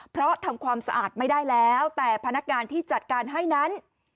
เพราะทำความสะอาดไม่ได้แล้วแต่พนักงานที่จัดการให้นั้น